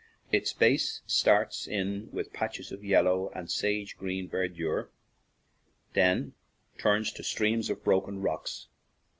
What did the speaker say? Its base starts in with patches of yellow and sage green verdure, then turns to streams of broken rocks.